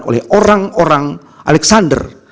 oleh orang orang alexander